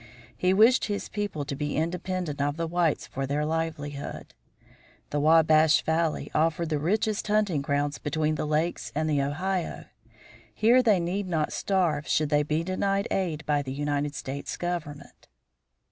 He wished his people to be independent of the whites for their livelihood. The Wabash Valley offered the richest hunting grounds between the Lakes and the Ohio. Here they need not starve should they be denied aid by the United States government.